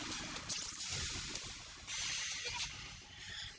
mau jadi kayak gini sih salah buat apa